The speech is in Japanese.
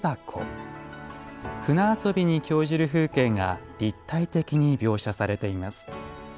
船遊びに興じる風景が立体的に描写されています。